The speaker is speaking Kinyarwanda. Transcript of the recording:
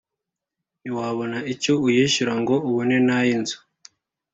“Ntiwabona icyo uyishyura ngo ubone n’ayi nzu